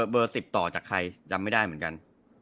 ติดต่อจากใครจำไม่ได้เหมือนกัน